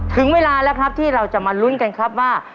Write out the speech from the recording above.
ถึงเวลาแล้วครับที่เราจะมาลุ้นกันครับว่า